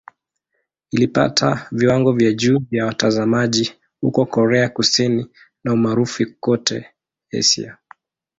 Ilipata viwango vya juu vya watazamaji huko Korea Kusini na umaarufu kote Asia.